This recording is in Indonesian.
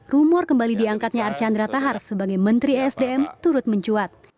rumor kembali diangkatnya archandra tahar sebagai menteri esdm turut mencuat